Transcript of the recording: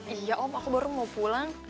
iya om aku baru mau pulang